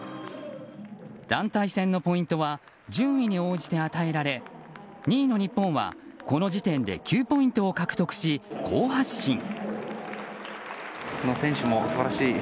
団体戦のポイントは順位に応じて与えられ２位の日本はこの時点で９ポイントを獲得し好発進。